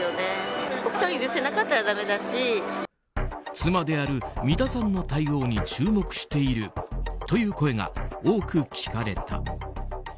妻である三田さんの対応に注目しているという声が多く聞かれた。